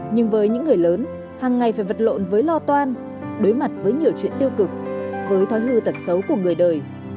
nhưng với những người lớn hàng ngày phải vật lộn với lo toan đối mặt với nhiều chuyện tiêu cực với thói hư tật xấu của người đời